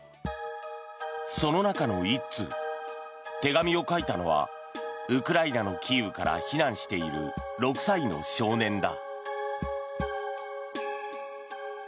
その中の１通、手紙を書いたのはウクライナのキーウから避難している６歳の少年だ。